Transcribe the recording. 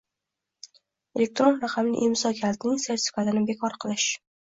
Elektron raqamli imzo kalitining sertifikatini bekor qilish